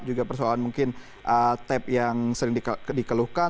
juga persoalan mungkin tap yang sering dikeluhkan